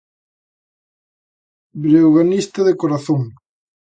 Breoganista de corazón.